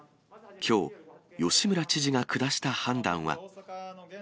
きょう、吉村知事が下した判断は。